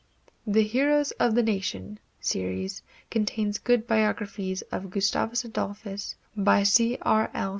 "The Heroes of the Nations" series contains good biographies of Gustavus Adolphus, by C. R. L.